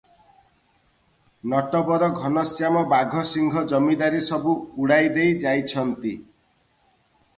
ନଟବର ଘନଶ୍ୟାମ ବାଘସିଂହ ଜମିଦାରୀସବୁ ଉଡ଼ାଇଦେଇ ଯାଇଛନ୍ତି ।